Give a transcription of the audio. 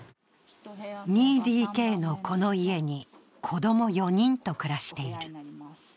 ２ＤＫのこの家に子ども４人と暮らしている。